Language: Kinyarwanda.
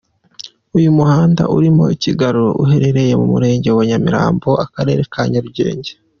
Uyu muhanda urimo iki kiraro uherereye mu Murenge wa Nyamirambo, Akarere ka Nyarugenge.